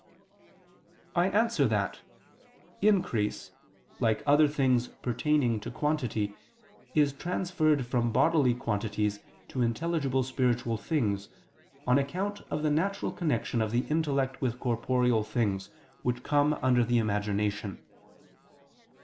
I answer that, Increase, like other things pertaining to quantity, is transferred from bodily quantities to intelligible spiritual things, on account of the natural connection of the intellect with corporeal things, which come under the imagination.